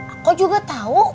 aku juga tau